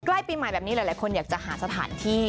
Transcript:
ใกล้ปีใหม่แบบนี้หลายคนอยากจะหาสถานที่